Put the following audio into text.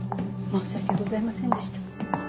申し訳ございませんでした。